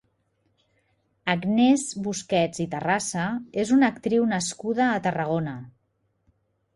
Agnès Busquets i Tarrasa és una actriu nascuda a Tarragona.